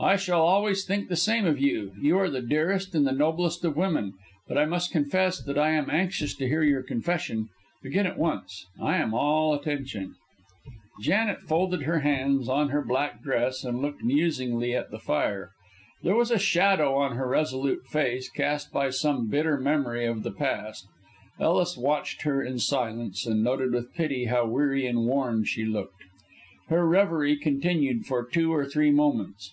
"I shall always think the same of you. You are the dearest and the noblest of women. But I must confess that I am anxious to hear your confession. Begin at once; I am all attention." Janet folded her hands on her black dress and looked musingly at the fire. There was a shadow on her resolute face cast by some bitter memory of the past. Ellis watched her in silence, and noted with pity how weary and worn she looked. Her reverie continued for two or three moments.